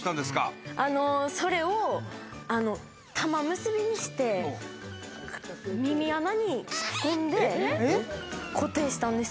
それをたまむすびにして耳穴に突っ込んで固定したんです。